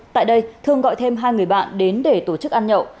tại đây thương gọi thêm hai người bạn đến để tổ chức ăn nhậu